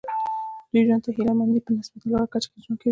دوی ژوند ته د هیله مندۍ په نسبتا لوړه کچه کې ژوند کوي.